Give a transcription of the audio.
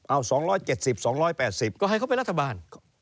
เอา๒๗๐๒๘๐ก็ให้เขาเป็นรัฐบาล